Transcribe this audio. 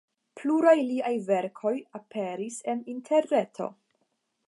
Pluraj liaj verkoj aperis en interreto.